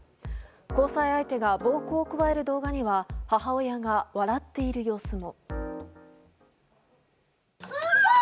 交際相手が暴行を加える動画には母親が笑っている様子も。